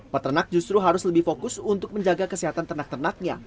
peternak justru harus lebih fokus untuk menjaga kesehatan ternak ternaknya